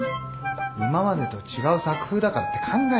今までと違う作風だからって考え込むな。